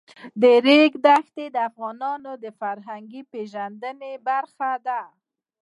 د ریګ دښتې د افغانانو د فرهنګي پیژندنې برخه ده.